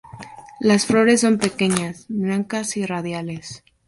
Las flores son pequeñas, blancas y radiales.